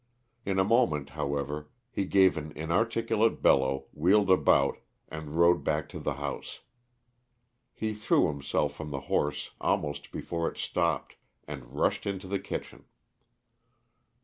In a moment, however, he gave an inarticulate bellow, wheeled about, and rode back to the house. He threw himself from the horse almost before it stopped, and rushed into the kitchen.